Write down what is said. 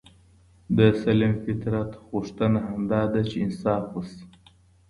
د سلیم فطرت غوښتنه همدا ده چي انصاف وسي.